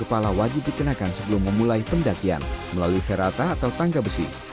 kepala wajib dikenakan sebelum memulai pendakian melalui ferata atau tangga besi